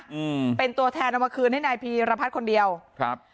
อืมเป็นตัวแทนเอามาคืนให้นายพีรพัฒน์คนเดียวครับ